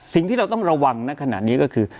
สิ่งที่เราต้องระวังนะขณะนี้ก็คือ